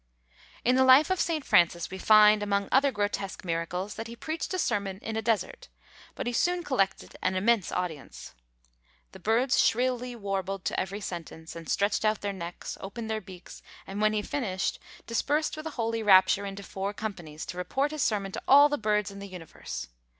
In the life of St. Francis we find, among other grotesque miracles, that he preached a sermon in a desert, but he soon collected an immense audience. The birds shrilly warbled to every sentence, and stretched out their necks, opened their beaks, and when he finished, dispersed with a holy rapture into four companies, to report his sermon to all the birds in the universe.